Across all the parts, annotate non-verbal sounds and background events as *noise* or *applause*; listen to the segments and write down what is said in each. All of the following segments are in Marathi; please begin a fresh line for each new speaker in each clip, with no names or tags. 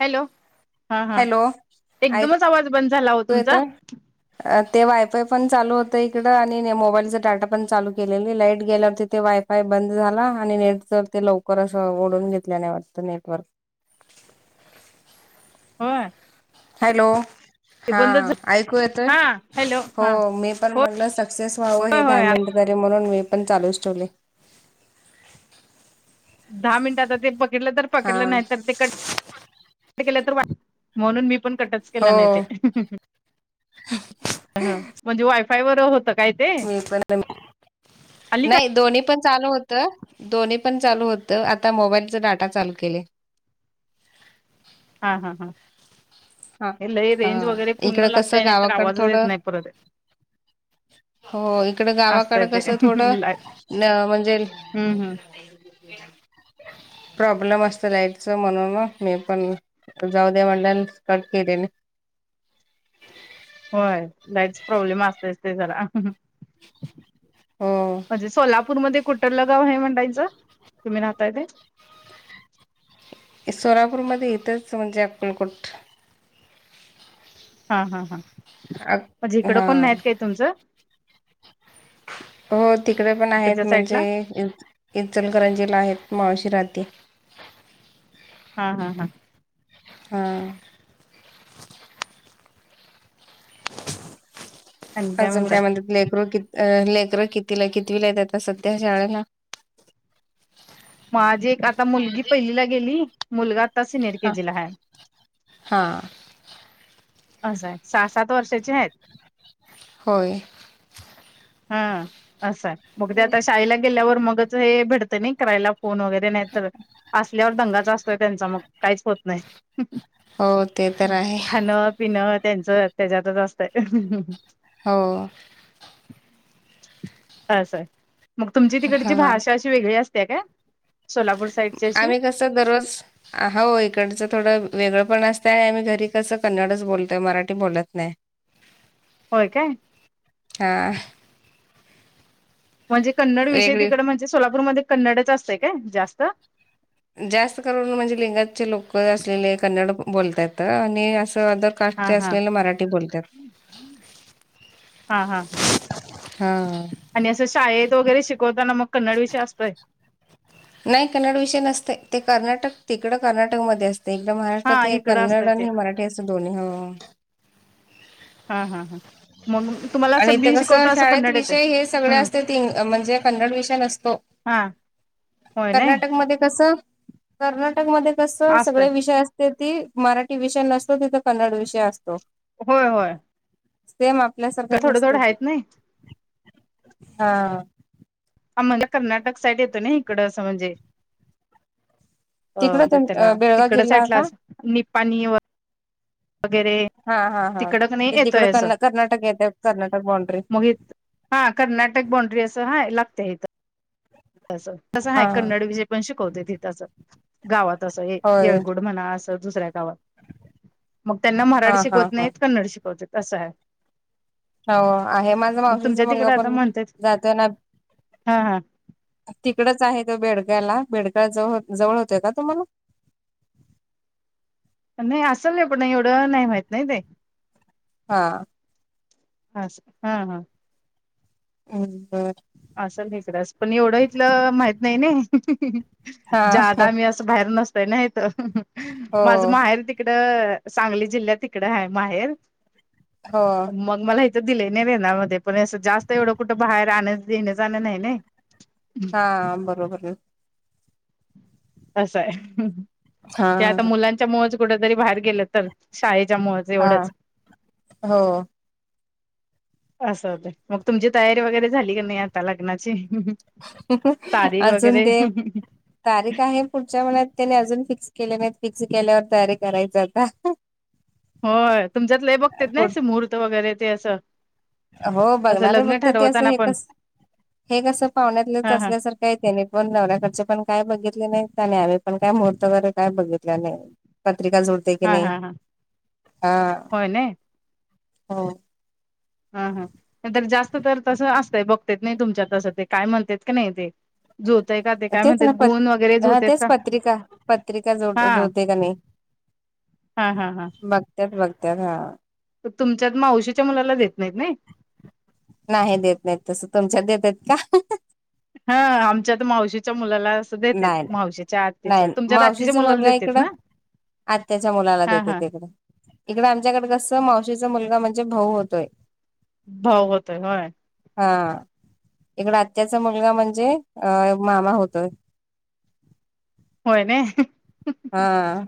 हॅलो हा हा
हॅलो
एकदमच
ऐकू
आवाज बंद झाला हो तुमचा.
येतोय ते वायफाय पण चालू होतं इकडं आणि मोबाईलचा डाटा पण चालू केलेली लाईट गेल्यावरती ते वाय काय बंद झाला आणि नेट तर ते लवकर असं ओढून घेतल्या नाही वाटत नेटवर्क.
होय.
हॅलो
ते बंदच
हां ऐकू येतं
हा हॅलो
हो
हा
मी. पण म्हणलं सक्सेस व्हावं
होय
हे दहा
होय
मिनिट करे म्हणून मी पण चालूच ठेवलय.
दहा मिनिट आता ते पकडलं तर
हा
पकडलं नाही तर ते कट केलं तर वा म्हणून मी पण कटच
हो
केला नाही ते ह. म्हणजे वायफाय वर होतात.
मी पण नाही
आली काय
नाही दोन्ही पण. चालू होत दोन्ही पण चालू होत आता मोबाईलच डाटा चालू केले.
हा हा हा.
हा
हे ल
हा
रेंज वगैरे पूर्ण
इकडं
लागताय
कसं
नाही तर
गावाकड
आवाजच येत
थोडं
नाही परत. *inaudible*
हो इकड
असतय
गावाकडे
ते
कसं थोडं
लाईट
न म्हणजे.
हम्म हम्
इना मीना. प्रॉब्लेम असतं लाईटचं म्हणून मी पण जाऊ द्या म्हंनल. कट केेलेेने.
होय लाईटच प्रॉब्लेम असतेच ते जरा.
हो
म्हणजे सोलापूरमध्ये कुठलं गाव आहे मंडाईचं तुम्ही राहताय ते.
सोलापूरमध्ये इथंच म्हणजे अक्कलकोट.
हा हा हा
अ
म्हणजे इकडं
हा
कोण नाहीत काय तुमचं.
हो तिकडे पण
तिकडच्या
आहेत म्हणजे
साईडला
इ इचलकरंजीला आहेत मावशीराती.
हा हा हा.
हा.
आणि
आजुन
म्हणताय
काय म्हणत लेकरू किती. अ लेकरं कितीला कितवी ला आहेत आता सध्या शाळेला.
माझी एक आता मुलगी पहिलीला गेली मुलगा. सिनियर
हा
केजीला हाय
हा.
असं आहे सहा सात वर्षाची आहेत.
होय.
हा असं मगद आता शाळेला. गेल्यावर मगच हे भेडतं नाही करायला फोन वगैरे नाही तर असल्यावर दंगाचा असतोय त्यांचा मग. काहीच होत नाही
हो ते तर आहे
खाण. पिन त्यांच त्याच्यातच असतय.
हो.
असर मग तुमची तिकडची
हा
भाषा अशी वेगळी असते का सोलापूर. साईडची अशी
आम्ही कसं दररोज. हो इकडचं थोडं वेगळं पण असतं आणि आम्ही घरी कसं कन्नडच बोलतोय मराठी बोलत नाहीय.
होय काय.
हा.
म्हणजे कन्नड विषय
वेगळी
तिकड म्हणजे सोलापूरमध्ये कन्नडच असतें का जास्त
जास्त करून म्हणजे लिंगातचे लोक असलेले कन्नड बोलतात अ आणि असं अर कास्
हा हा
असलेले मराठी बोलतात.
हा हा हा
हा
आणि असं शाळेत वगैरे शिकवताना मग कन्नड विषय असतोय.
नाही कन्नड विषयी नसते ते कर्नाटक तिकडं कर्नाटकमध्ये असते. एकदा
हा
महाराष्ट्रात हे
इकडं
कन्नड
असतय ते
आणि हे मराठी असं दोन्ही ह ह
हा हा हा मग तुम्हाला
आणि
असं
इतेे
बी
कस
शिकवता असं
शाळेत
कन्नड येतय
विषय हे सगळे
हम्म
असते ते म्हणजे कन्नड विषय नसतो.
हां.
कर्नाटक मध्ये कसं कर्नाटक मध्ये कसं
असतय
सगळे विषय अस ते ती मराठी विषय नसतो तिथं कन्नड विषय असतो.
होय होय.
सेम आपल्यासारखंच
थोडं
असते
थोडं
ती
आहेत नाही
हा
ह म्हणजे कर्नाटक साईड येतो ना इकडं असं म्हणजे अ
तिकडं तुम
त्याला
बेळगाव
तिकड
जिल्हा
साईडला
का
अस निपाणी व वगैरे
हा हा हा
तिकड कणी
ते तिकड
येतोय असं
कर् कर्नाटक येत कर्नाटक बॉण्ड्री
मग हा कर्नाटक बॉण्डरी असं हा लागते इथं तस तसं हा कन्नड विजय पण शिकवते ति तसं गावात असं
होय
येळगुड म्हणा अस. दुसऱ्या गावात मग त्यांना
हा
मराठी
हा
शिकवत
हा
नाहीत कन्नड शिकवत असं आहे.
हो आहे माझं
मग तुमच्या
मावशीचा मुलगा
तिकडे आता
पण
म्हणतात
जातोय ना,
हा हा
तिकडच आहे तो बेडग्याला बेडग्याळ जवळ जवळ होतोय का तुम्हाला
नाही असेल नाही पण एवढं नाही माहीत नाही ते
हा.
हा हा हा
हम् बर.
असं निकस पण एवढं इथलं माहित नाही ना
हा
जादा मी अस बाहेर नसतय ना इत
हो
माझ माहेर तिकड सांगली जिल्ह्यात तिकड आहे माहेर.
हो.
मग मला हेथं दिलं नाही रेणार मध्ये पण जास्त एवढं कुठं बाहेर आण. येणं जाणं नही नई.
हा बरोबर.
असं आहे ते
हा
आता मुलांच्या मुळच कुठेतरी बाहेर गेलं तर शाळेच्या मुळ
हा हो
असं होत मग तुमची तयारी वगैरे झाली की नाही आता लग्नाची तारीख
अजून
वगैरे
ते, तारीख आहे पुढच्या मनात त्याने अजून फिक्स केले नाहीत फिक्स केल्यावर तयारी करायच आता
होय तुमच्यात लई बघत्यात ते
पुढ
नाही मुहूर्त वगैरे ते असं
हो
असं
बघणारे
लग्न
बघते ते असं
ठरवताना
हे
पण
कस हे कसं पाहुण्यातलंच
हा हा
असल्यासारखं काय त्यांनी पण नवऱ्याकडचे पण काय बघितले नाहीनी आम्ही पण काय मुहूर्त वैगैरे काय बघितलं नाही. पत्रिका जोडते की
हा
नाही
हा हा
हा
होय नाही
हो
हा हा तर जास्त तर तसं असतय बघतेत नाही तुमच्या तसं ते काय म्हणतात की नाही ते, जुळत का ते काय
तेच
म्हणतात
ना प
गुण वगैरे
हा
जुळतेत
तेच
का
पत्रिका पत्रिका जोड
हा
जोडते का नाही
हा हा हा
तेच बघते का.
तुमच्यात मावशीच्या मुलाला देत नाहीत नाही.
नाही देत नाहीत तसं तुमच्यात देत आहेत का.
हा आमच्या तर मावशीच्या मुलाला देते
नाही
मावशेच्या
नाही
आच्या तुमच्यात आातीच्या मुलाला देतेत ना.
आत््याच्या मुलाला
हा
देते
हा
एकडें. इकडे आमच्याकडे कसं मावशीचा मुलगा म्हणजे भाऊ होतोय.
भाऊ होत आहे होय.
हा *inaudible* इकड आत्याचा मुलगा म्हणजे अ मामा होतोय.
होय न.
हा.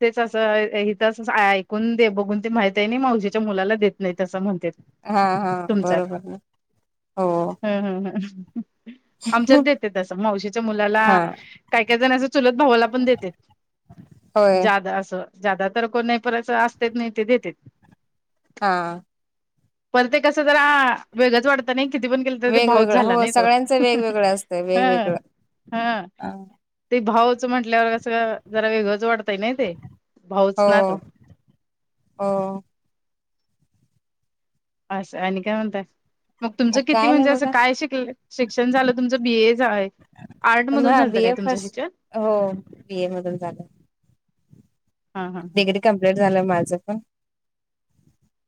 तेच असं इथं ऐकून दे बघून ते माहित आहे नाही माऊजेच्या मुलाला देत नाही त असं म्हणते.
हा हा
तुमच्यात
बरोबर ना *inaudible* हो.
ह ह आमच्यात देते तसं मावशीच्या मुलाला.
हा
काय काय जण असं चुलत भावाला पण देते.
होय
जादा असं जादा तर को नाही परयच असतेच नाही ते देतेत.
हा.
परत कसं जरा वेगच वाटत नाही किती पण केलं तर ते भाऊच
वेगवेगळं
झाला
हो
नाही तो
सगळ्यांचं वेगवेगळं असतं
ह.
वेगवेगळं
हा ते भावच म्हंटल्यावर कसं जरा वेगळंच वाटतय ना ते. भाऊच
हो
ना तो
*inaudible* हो.
असं आणि काय म्हणत मग तुमचं किती
काय नाही
म्हणजे असं
बघा
काय शिकल शिक्षण झालं तुमचं बीए. आर्ट मधून
हा
झालत काय
बीए
तुमचं
फर्स्ट
शिक्षण. *inaudible*
हो बीए मधून झालं
हा हा हा.
डिग्री कम्प्लीट झालं माझं पण.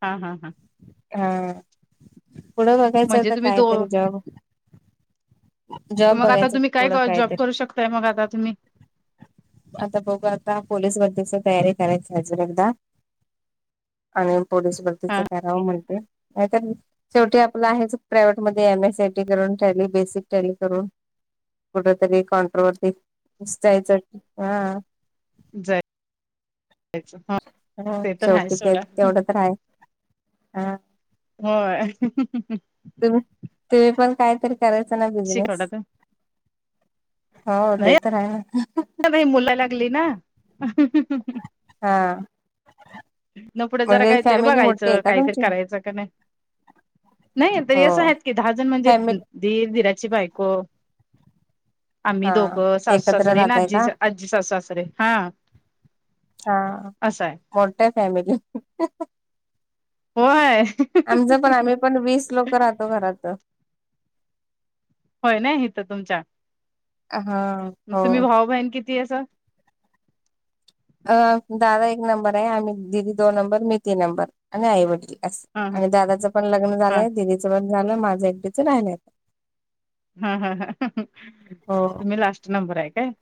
हा हा हा.
हा *inaudible* पुढं बघायचं
म्हणजे
आता
तुम्ही दो
कायतरी जॉब. जॉब
मग आता
बघायचं
तुम्ही काय
पुढं
जॉब
कायतरी
करू शकताय मग आता तुम्ही.
आता बघ आता पोलिस बद्दलची तयारी करायची ह एकगदा. आणि पोलीस भरतीिच
हा
कराव म्हणते कात. शेवटी आपलं आहे प्रायव्हेट मध्ये एम एस एयटी करून टली बेसिक टॅली करून. कुठ तरी काॉनट्रवरतीसच हा.
यच *unintelligible*
हा
ते तर आहे
शेवटी ते
सोडा.
तेवढं तर आहे हा
होय. *unintelligible*
म तुम्हीं पणं काहीतरी करायचां नां
शिकवला
बिझनेस.
तर
काव ते तरं आहेच.
आत्या बाई मुलं लागली नां.
हां *inaudible* हां.
न पुढे जरा काहीतरी बघायचं
का
काहीतरी
तुमची
करायचं का नाही. नाही
हो
तरी असं आहे की दजण म्हणजे.
फॅमिली
धीर धीराची बायको. आम्ही
हा
दोघं सासू
एकत्र
सासरे आणि
राहताय
आजी
का
आजी सासू सासरे हा.
हा
असं आहे
*inaudible* मोठ्या फॅमिली.
होय.
आमचं पण आम्ही पण वीस लोक राहतो घरात.
होय नाही इथं तुमच्या.
हा. हो
तुम्ही भाऊ बहिण किती अस.
अ दादा एक नंबर आहे आम्ही दीदी दोन नंबर मी तीन नंबर आणि आई वडील.
हा ह
आणि दादाचं पण लग्न
हा
झालंय दिदीचं पण झालं माझं एकटीच आहे ना.
हां हां *inaudible* तुम्हीं लास्ट नंबर आहे कायं?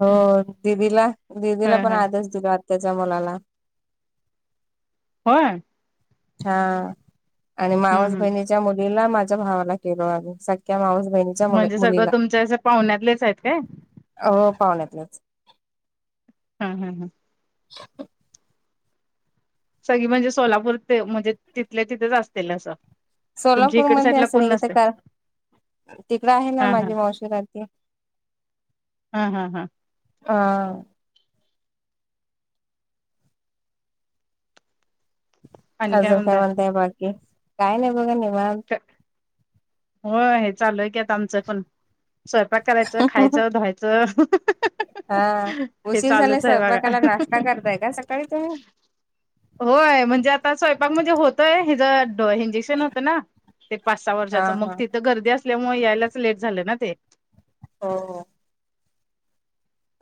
हो दिदीला
ह
दिदीला पणं
ह
आदेश दिला आत्यांच्या मुलालां
होय.
हां *inaudible* आणि मावंस
हम्
बहिणी मुलीला माझ्या भावाला केलो आहे संख्या मावस बहीणीला
म्हणजे सगळं तुमच्या असं पाहुण्यातलेच आहेत कायं
अहो पाहण्यातलेच आहे
हां हां
ह *unintelligible*
सगळी म्हणजे सोलापूर ते म्हणजे तिथल्या तिथेच असतील असं तुमच्या इकड
सोलापूरमंध्ये
साईडला
असं
कोण
नाही किथ
नसते
कां तिकड आहे नां
हा हा
माझी मावशी रहाते
हां हां हां
हां
आणि काय
अजून कायं
म्हणताय
म्हणता बाकी कायं नाहीं बघा निवांत
होय चालूं आहे की आमचं पणं स्वयंपाक करायचं खायचं धुवायचं
हा
हे
उशीर झाले कायं
चालूच आहे
स्वयंपाकाला
बघा
नाश्ता करताय कां सकाळी तुम्ही
होय म्हणजे आता स्वयंपाक म्हणजे होतंय हिचं इंजेक्शन होतं नां ते पाच सहा
हा
वर्षाचं मग
हा
तिथं गर्दी असल्यामुळे यांयलांच लेट झालं ना ते
हो हो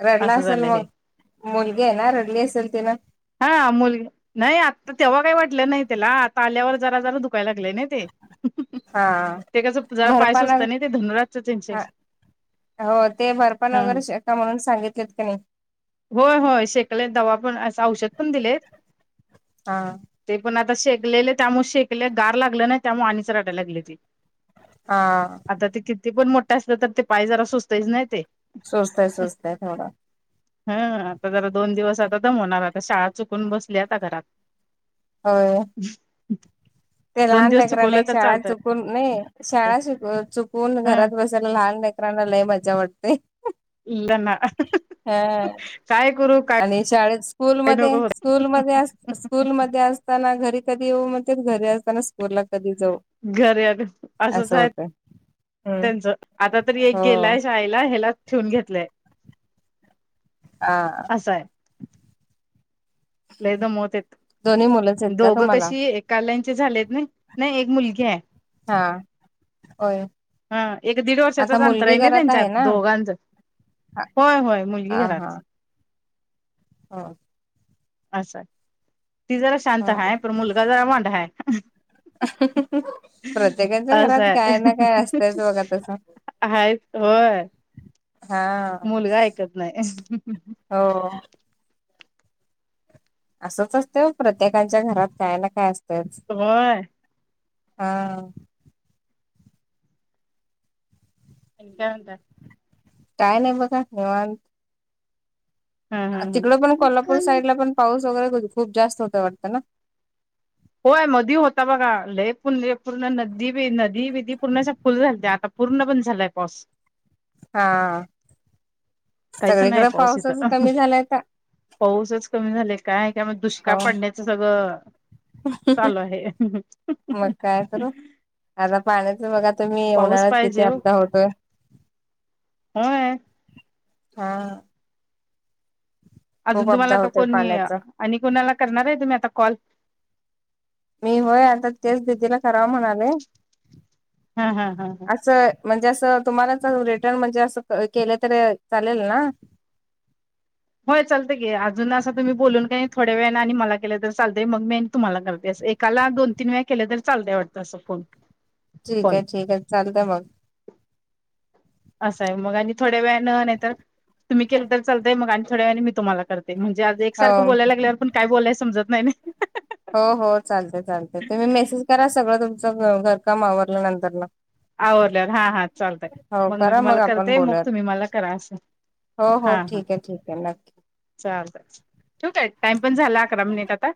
रडला
असं
असेल
झालं हे
मगं मुलगी आहे नां रडली असेल तिनं
हा मुलगी, नाही आता तेव्हा काही वाटलं नाही त्याला आता आल्यावर जरा जरा दुकायला लागलं नाही
हा
ते कसं जरा पायसुस्त
भरपान
असतं नाही ते धनुराजच
हा
इंजेक्शन
हो ते भरपान
हा
वगैरे शेका म्हणून सांगितलेत की नाही
होय होय शेकले दवा पणं असं औषध पणं दिले आहे
हा
ते पण आता शेकलेले त्यामुळें शेकले गार लागलं ना त्यामुळे आणिच राडायंला लागली ती
हां
आता ते किती पणं मोठा असलं तरी ते पाय जरा सुचतच नाहीं ते
सुस्तय सुस्तय थोडा
हा आता जरा दोन दिवस आता दमवणार आता शाळा चुकून बसली आता घरांत
हो
ह *unintelligible*
ते लहान लेकराने एक शाळां चुकून नाहीं शाळां चुकून
ह
घरांत बसं त्यात लहान लेकरांना मज्जा वाटतंय
त्यांना
हा
काय करू काय
आणि शाळेत स्कूल मध्ये
नको होत
स्कूल मध्ये अस स्कूलमध्ये असताना घरी कधी येऊ म्हणतात घरी असताना स्कूलला कधी जाऊ
घरी आलो असच
असं
आहेत
होतंय.
त्यांच आता तरी एक
हो
गेलाय शाळेला ह्याला ठेवून घेतलंय
हां
असं आहे लय दमोतेत
दोन्ही मुलंच आहेत का
दोघं
तुम्हाला?
कशी एक कालांचे झालेत नां नाही एक मुलगी आहे
हां
हा एक दीड
आता
वर्षाचच अंतर
मुलगी
आहे ना
घरात
त्यांच्यांत
ना?
दोघांत
हा
होय होय मुलगी
हा हा
घरांत
हो
असं ती जरा शांत
हा.
हाय पणं मुलगा जरा वांड आहे
प्रत्येकाच्या
असं
घरात काय ना काय
आहे
असतंयच बघा तसं
आहेत होय
हा.
मुलगा ऐकत नाहीं
हो असंच असतय प्रत्येकांच्या घरात काय ना काय असतयच
होय *unintelligible*
हा
आणि काय म्हणताय.
काय नाही बघा निवांत
हा हा हा.
तिकड पण कोल्हापूर साईडला पण पाऊस वगैरे खूप जास्त होता वाटत ना
होय मधी होता बघा लय पर् *inaudible* पूर्ण नदी बदी नदी बधी पूर्ण फुल झालत्या आता पूर्ण बंद झालाय पाऊस.
*inaudible* हा
काहीच
सगळीकड
नाही पाऊस
पाऊसच
इथं
कमी झालाय आता.
पाऊसच कमी झालाय काय का *inaudible* मग दुष्काळ
हो
पडण्याचं सगळं चालू आहे *inaudible*
मग काय करू आता पाण्याच बघा तुम्ही
पाऊस
उन्हाळ्यात किती
पाहिजे *inaudible* हो
अपदा होतोय
होय
हा
अजून
खूप
तुम्हाला
अपदा
तर
होतोय
कोणी
पाण्याचा
आणि कोणाला करणार आहे तुम्ही आता कॉल
मी होय आता तेच दिदीला कराव म्हणालोय.
हा -हा -हा -हा.
असं म्हणजे असं तुम्हालाच रिटर्न म्हणजे असं केलं तरी चालेल ना
होय चालतंय की, अजून असं तुम्ही बोलून का नाही थोड्या वेळाने आणि मला केलं तर चालतंय मग मी तुम्हाला करते असं एक काला *inaudible* दोन तीन वेळा केले तरी चालतय वाटतं असं फोन
ठीक
कॉल
आहे ठीक आहे चालतंय मग.
असं आहे मग आणि थोड्या वेळंन नाही तर तुम्ही केल तर चालतंय मग आणि थोड्या वेळेन मी तुम्हाला करत ते म्हणजे आज एकसारखं
हो.
बोलायला लागल्यावर पण काय बोलायला समजत नाही. *inaudible*
हो- हो चालतंय -चालतंय तुम्ही मेसेज करा सगळं तुमचं घरकाम आवरलं नंतर न...
आवरल्यावर हा -हा चालतंय
हो
मग मी
करा
तुम्हाला
आपण
करते मग
बोलूयात.
तुम्ही मला करा असं
हो- हो
हा हा
ठीक आहे ठीक आहे नक्की
चालतंय ठेवू‌ काय टाईम पण झालाय अकरा मिनिट आता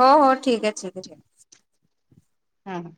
हो- हो ठीक आहे ठीक आहे
*inaudible* हा हा